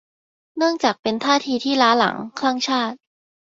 เนื่องจากเป็นท่าทีที่หล้าหลัง คลั่งชาติ